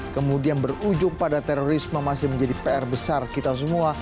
kemudian berujung pada terorisme masih menjadi pr besar kita semua